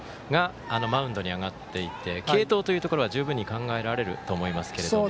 マウンドに上がっていて継投というところは十分に考えられると思いますけども。